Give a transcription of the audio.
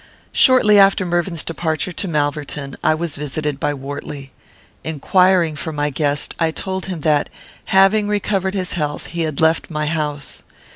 Shortly after Mervyn's departure to Malverton, I was visited by Wortley. Inquiring for my guest, I told him that, having recovered his health, he had left my house.